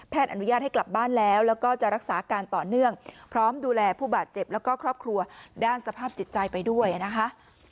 อนุญาตให้กลับบ้านแล้วแล้วก็จะรักษาการต่อเนื่องพร้อมดูแลผู้บาดเจ็บแล้วก็ครอบครัวด้านสภาพจิตใจไปด้วยนะคะ